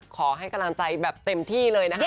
ขอให้กำลังใจแบบเต็มที่เลยนะคะ